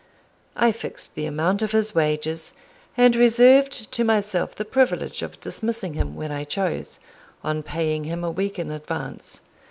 I fixed the amount of his wages, and reserved to myself the privilege of dismissing him when I chose, on paying him a week in advance.